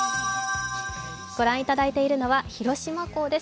御覧いただいているのは広島港です。